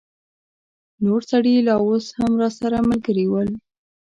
نور سړي لا اوس هم راسره ملګري ول.